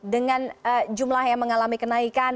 dengan jumlah yang mengalami kenaikan